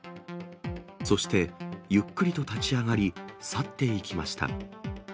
そして、ゆっくりと立ち上がり、去っていきました。